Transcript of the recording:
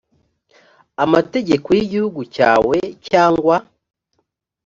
amategeko y igihugu cyawe cyangwa